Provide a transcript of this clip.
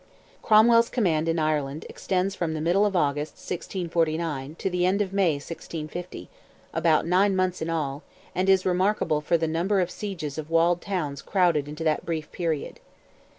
Cromwell's command in Ireland extends from the middle of August, 1649, to the end of May, 1650, about nine months in all, and is remarkable for the number of sieges of walled towns crowded into that brief period.